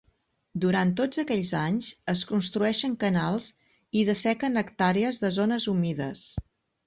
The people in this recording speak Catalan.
Durant tots aquells anys, es construeixen canals i dessequen hectàrees de zones humides.